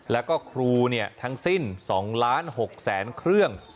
แล้วก็ครูทั้งสิ้น๒๖๐๐๐เครื่อง